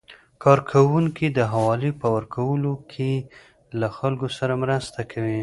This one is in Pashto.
کارکوونکي د حوالې په ورکولو کې له خلکو سره مرسته کوي.